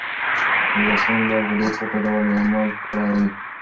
میرویس خان باید په ډېر پټ ډول عمل کړی وی.